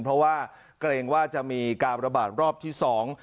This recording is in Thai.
เพราะว่าเกรงว่าจะมีการระบาดรอบที่สอง